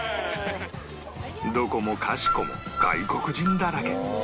どこもかしこも外国人だらけ